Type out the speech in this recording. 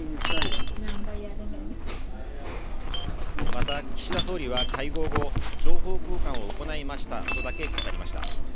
また岸田総理は会合後情報交換を行いましたとだけ語りました